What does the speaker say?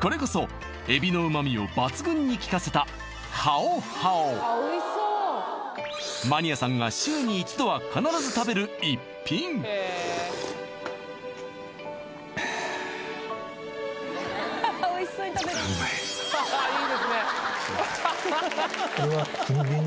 これこそエビの旨みを抜群にきかせたハオハオマニアさんが週に一度は必ず食べる逸品特徴の製品です